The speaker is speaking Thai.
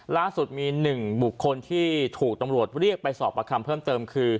ล่าสุดมี๑บุคคลที่ถูกตำรวจเรียกไปสอบประคำเพิ่มเติมคือ